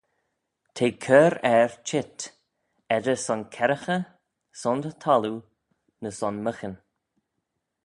T'eh cur er cheet, edyr son kerraghey, son y thalloo, ny son myghin.